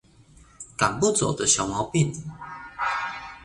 趕不走的小毛病